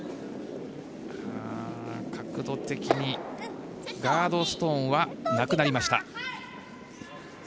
角度的にガードストーンはなくなりました。